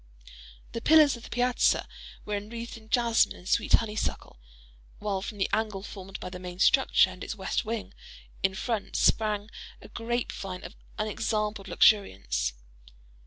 The pillars of the piazza were enwreathed in jasmine and sweet honeysuckle; while from the angle formed by the main structure and its west wing, in front, sprang a grape vine of unexampled luxuriance.